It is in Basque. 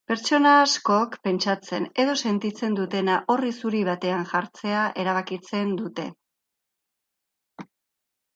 Pertsona askok pentsatzen edo sentitzen dutena orri zuri batetan jartzea erabakitzen dute.